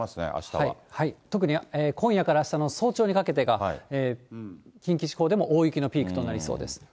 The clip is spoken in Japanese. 特に今夜からあしたの早朝にかけてが、近畿地方でも大雪のピークとなりそうです。